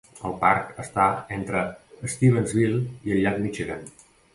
El parc està entre Stevensville i el llac Michigan.